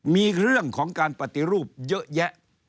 มีเรื่องของการปฏิรูปเยอะแยะ